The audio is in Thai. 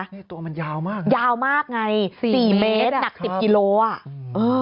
อย่างนี้ตัวมันยาวมากนะยาวมากไง๔๐เมตรหนัก๑๐กิโลกรัม